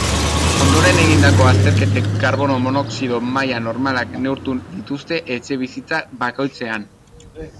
Ondoren egindako azterketek karbono monoxido maila normalak neurtu dituzte etxebizitza bakoitzean.